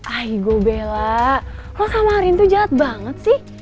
aigoo bella lo sama arin tuh jahat banget sih